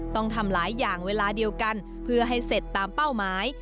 ต้องทำหลายอย่างเวลาเดียวกันเพื่อให้เสร็จตามเป้าหมาย